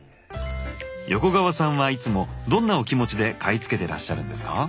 横川さんはいつもどんなお気持ちで買い付けてらっしゃるんですか？